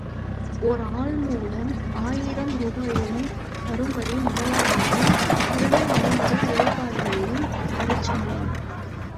ஒர் ஆள்மூலம், ஆயிரம் ரூபாயுடன் வரும்படி முதலாளியையும், உடனே வரும்படி உழைப்பாளியையும் வரச்சொன்னேன்.